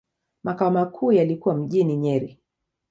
Makao makuu yalikuwa mjini Nyeri.